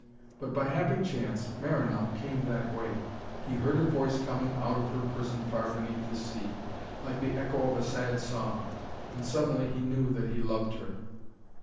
But, by happy chance, Marinell came that way. He heard her voice coming out of her prison far beneath the sea, like the echo of a sad song, and suddenly he knew that he loved her.